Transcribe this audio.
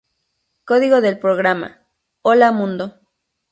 Código del programa ¡Hola Mundo!